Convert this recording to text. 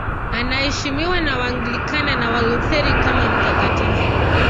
Anaheshimiwa na Waanglikana na Walutheri kama mtakatifu.